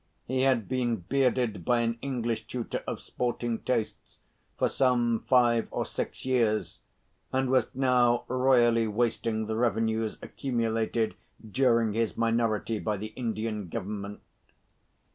He had been bearded by an English tutor of sporting tastes for some five or six years, and was now royally wasting the revenues accumulated during his minority by the Indian Government.